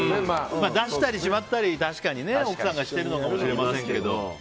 出したりしまったり、奥さんがしてるのかもしれないですけど。